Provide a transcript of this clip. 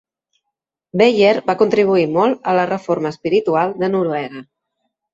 Beyer va contribuir molt a la reforma espiritual de Noruega.